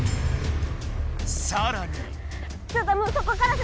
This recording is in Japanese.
さらに。